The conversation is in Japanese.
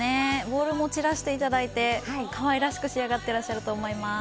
ボールも散らしていただいて可愛らしく仕上がってらっしゃると思います。